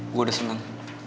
gua udah senang